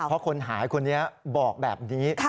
เพราะคนหายคนนี้บอกแบบนี้